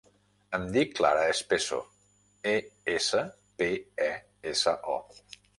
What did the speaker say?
Em dic Clara Espeso: e, essa, pe, e, essa, o.